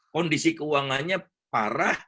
kondisi keuangannya parah